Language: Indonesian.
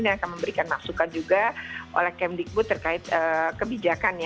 dan akan memberikan masukan juga oleh kemdikbu terkait kebijakan